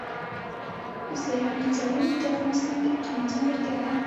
سیلانی ځایونه د افغانستان د اقلیم ځانګړتیا ده.